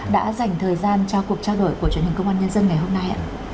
đã dành thời gian cho cuộc trao đổi của truyền hình công an nhân dân ngày hôm nay